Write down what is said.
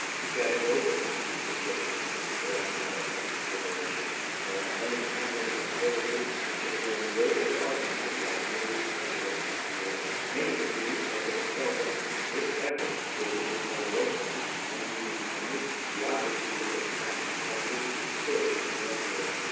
Scattered over the country adjacent to this trail now under consideration, there are many hamlets and villages which are being greatly augmented by new settlers yearly. Many of these have been seldom, if ever, visited by white men, and the minute geography of this tract of country is still in the embryo.